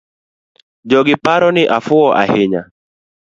Jogiparo ni afuwo ainya.